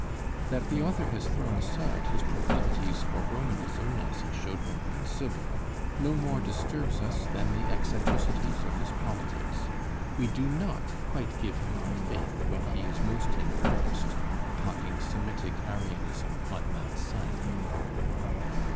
That the author has thrown aside his proclivities for Romanism as he showed them in 'Sibyl,' no more disturbs us than the eccentricities of his politics. We do not quite give him our faith when he is most in earnest, talking Semitic Arianism on Mt. Sinai.